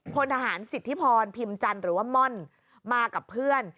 พลทหารสิทธิพรพิมจันทร์หรือว่าม่อนมากับเพื่อน